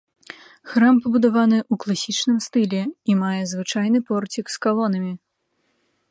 Храм пабудаваны ў класічным стылі і мае звычайны порцік з калонамі.